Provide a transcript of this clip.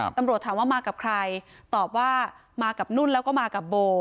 ตำรวจถามว่ามากับใครตอบว่ามากับนุ่นแล้วก็มากับโบ